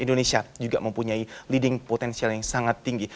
indonesia juga mempunyai leading potensial yang sangat tinggi